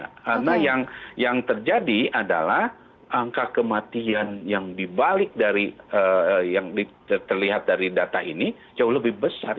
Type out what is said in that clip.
karena yang terjadi adalah angka kematian yang dibalik dari yang terlihat dari data ini jauh lebih besar